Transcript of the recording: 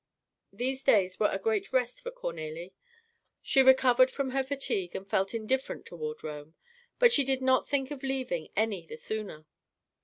These days were a great rest for Cornélie. She recovered from her fatigue and felt indifferent towards Rome. But she did not think of leaving any the sooner.